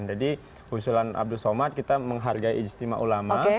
jadi usulan abdul somad kita menghargai istimewa ulama